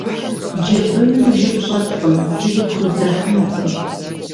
Джэбыным жып щӏэткъым, зыри пхуздэхьынукъым.